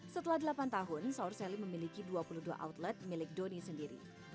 setelah delapan tahun saurseli memiliki dua puluh dua outlet milik doni sendiri